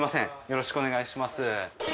よろしくお願いします。